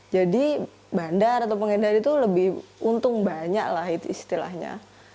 jadi bandar atau pengendar itu lebih untung banyak lah istilahnya